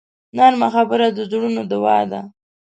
نرمه خبره د زړونو دوا ده